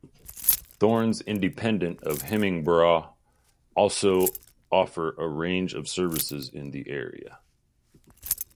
Thornes Independent of Hemingbrough also offer a range of services in the area.